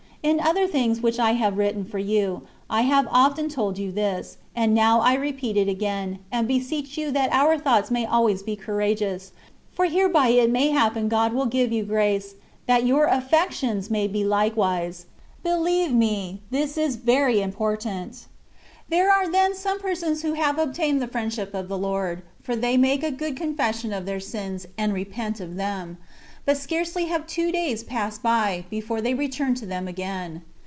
In other little things which I have written for you, I have often told you this ; and now I repeat it again, and beseech you that our thoughts may always be courageous, for hereby it may happen God will give you grace, that your affections may be so likewise. Believe me, this is very important. There are then some persons who have obtained the friendship of the Lord, for they make a good confession of their sins, and repent of them ; but scarcely have two days passed by, before they re turn to them again.